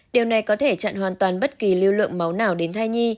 điều này có thể chặn hoàn toàn bất kỳ lưu lượng máu nào đến thai nhi